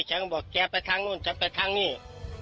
ฉันก็บอกแกไปทางนู่นฉันไปทางนี้